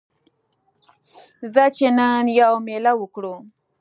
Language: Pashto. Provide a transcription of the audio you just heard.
ځه چې نن یوه میله وکړو